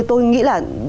tôi nghĩ là